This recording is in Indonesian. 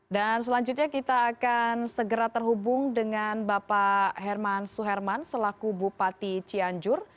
dan selanjutnya kita akan segera terhubung dengan bapak herman suherman selaku bupati cianjur